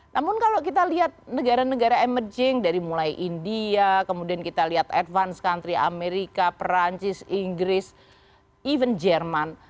namun kalau kita lihat negara negara emerging dari mulai india kemudian kita lihat advance country amerika perancis inggris even jerman